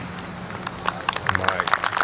うまい。